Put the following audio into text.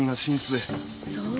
そう。